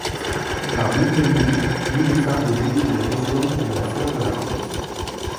Par métonymie, nénuphar désigne le rhizome ou la fleur de la plante.